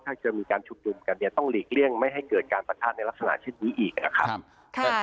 ถ้าจะมีการชุมนุมกันเนี่ยต้องหลีกเลี่ยงไม่ให้เกิดการปะทะในลักษณะเช่นนี้อีกนะครับ